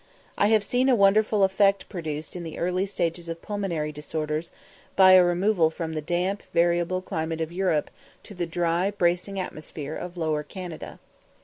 I have seen a wonderful effect produced in the early stages of pulmonary disorders by a removal from the damp, variable climate of Europe to the dry, bracing atmosphere of Lower Canada.